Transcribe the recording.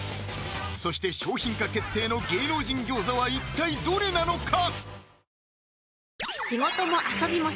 そして商品化決定の芸能人餃子は一体どれなのか？